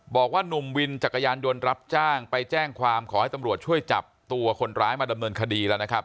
หนุ่มวินจักรยานยนต์รับจ้างไปแจ้งความขอให้ตำรวจช่วยจับตัวคนร้ายมาดำเนินคดีแล้วนะครับ